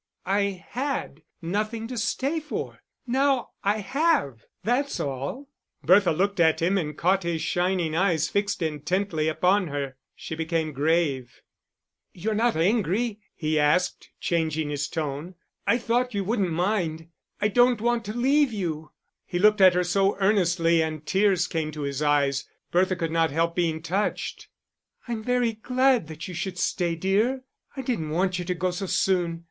"I had nothing to stay for. Now I have, that's all." Bertha looked at him, and caught his shining eyes fixed intently upon her. She became grave. "You're not angry?" he asked, changing his tone. "I thought you wouldn't mind. I don't want to leave you." He looked at her so earnestly and tears came to his eyes, Bertha could not help being touched. "I'm very glad that you should stay, dear. I didn't want you to go so soon.